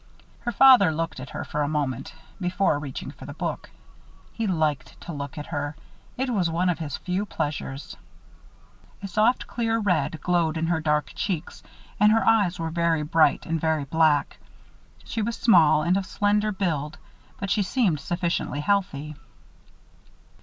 Her father looked at her for a moment, before reaching for the book. He liked to look at her; it was one of his few pleasures. A soft clear red glowed in her dark cheeks and her eyes were very bright and very black. She was small and of slender build, but she seemed sufficiently healthy.